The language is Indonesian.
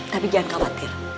tapi jangan khawatir